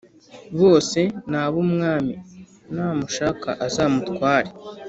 bose nabu mwami namushaka azamutware"